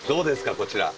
こちら。